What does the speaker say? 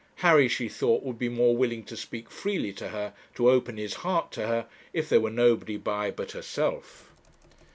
Harry, she thought, would be more willing to speak freely to her, to open his heart to her, if there were nobody by but herself.